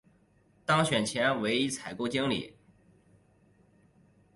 当选前为一采购经理。